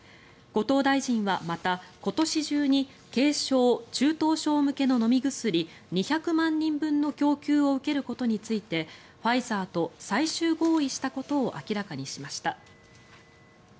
後藤大臣はまた今年中に軽症・中等症向けの飲み薬２００万人分の供給を受けることについてファイザーと最終合意したことを明らかにしました。